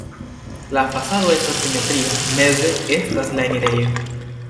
La fasado estas simetria, meze estas la enirejo.